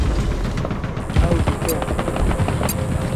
Ew dike